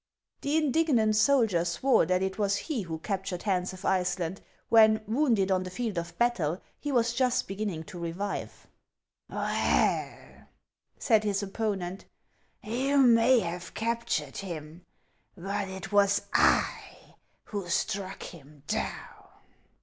The indignant soldier swore that it was he who captured Hans of Iceland, when, wounded on the field of battle, he was just beginning to revive. " Well," said his opponent, " you may have captured him, but it was I who struck him down.